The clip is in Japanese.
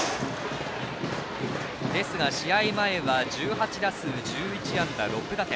ですが、試合前は１８打数１１打席１打点。